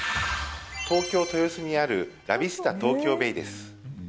東京・豊洲にあるラビスタ東京ベイです。